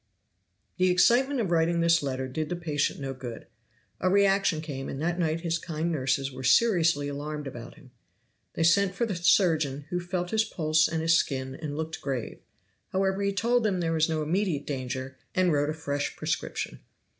The excitement of writing this letter did the patient no good. A reaction came, and that night his kind nurses were seriously alarmed about him. They sent for the surgeon, who felt his pulse and his skin and looked grave. However, he told them there was no immediate danger, and wrote a fresh prescription.